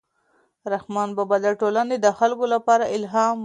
رحمان بابا د ټولنې د خلکو لپاره الهام و.